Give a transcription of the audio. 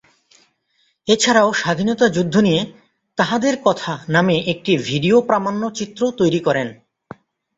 এছাড়াও স্বাধীনতা যুদ্ধ নিয়ে ‘তাহাদের কথা’ নামে একটি ভিডিও প্রামাণ্যচিত্র তৈরি করেন।